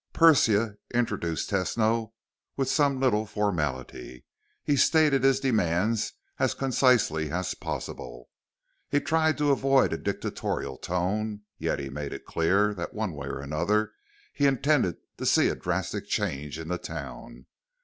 Persia introduced Tesno with some little formality. He stated his demands as concisely as possible. He tried to avoid a dictatorial tone, yet he made it clear that one way or another he intended to see a drastic change in the town.